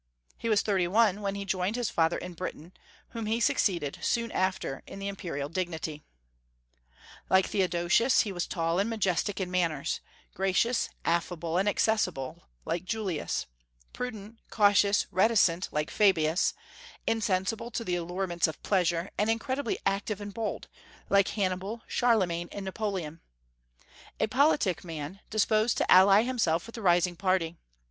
He was thirty one when he joined his father in Britain, whom he succeeded, soon after, in the imperial dignity. Like Theodosius, he was tall, and majestic in manners; gracious, affable, and accessible, like Julius; prudent, cautious, reticent, like Fabius; insensible to the allurements of pleasure, and incredibly active and bold, like Hannibal, Charlemagne, and Napoleon; a politic man, disposed to ally himself with the rising party.